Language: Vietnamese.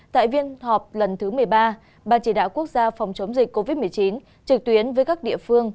tại viên họp lần thứ một mươi ba ban chỉ đạo quốc gia phòng chống dịch covid một mươi chín trực tuyến với các địa phương